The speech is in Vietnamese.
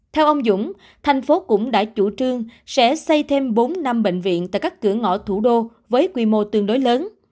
theo ông dũng thành phố cũng đã chủ trương sẽ xây thêm bốn năm bệnh viện tại các cửa ngõ thủ đô với quy mô tương đối lớn